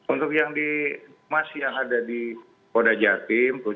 untuk yang masih ada di polda jatim